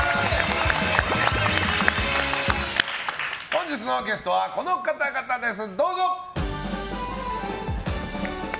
本日のゲストはこの方々です！